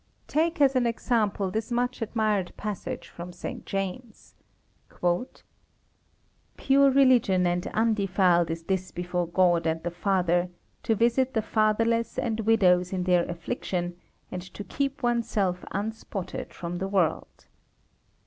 Take as an example this much admired passage from St. James: Pure religion and undefiled is this before God and the Father, to visit the fatherless and widows in their affliction, and to keep oneself unspotted from the world.